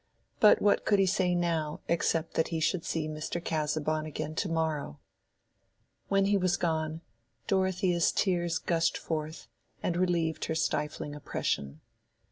But what could he say now except that he should see Mr. Casaubon again to morrow? When he was gone, Dorothea's tears gushed forth, and relieved her stifling oppression.